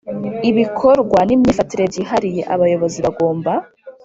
Ibikorwa n imyifatire byihariye abayobozi bagomba